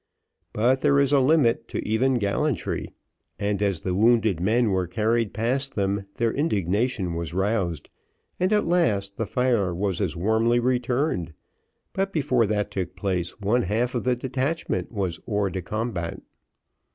But there is a limit to even gallantry, and as the wounded men were carried past them, their indignation was roused, and, at last, the fire was as warmly returned, but before that took place, one half of the detachment were hors de combat.